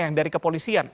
yang dari kepolisian